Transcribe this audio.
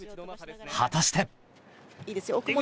果たして。